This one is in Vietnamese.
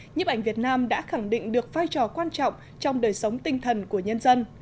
nhiếp ảnh việt nam đã khẳng định được vai trò quan trọng trong đời sống tinh thần của nhân dân